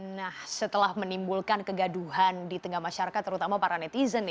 nah setelah menimbulkan kegaduhan di tengah masyarakat terutama para netizen